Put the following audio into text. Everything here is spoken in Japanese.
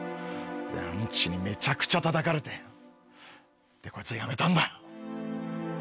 でアンチにめちゃくちゃたたかれてでこいつはやめたんだ。